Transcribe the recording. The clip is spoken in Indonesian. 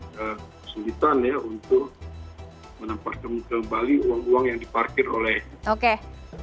kembalikan untuk menampak kembali uang uang yang diparkir oleh